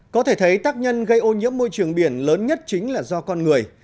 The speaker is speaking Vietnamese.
có thể thấy tác nhân gây ô nhiễm môi trường biển lớn nhất chính là do con người